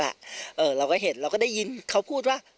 เราก็เห็นเราก็ได้ยินเขาพูดว่า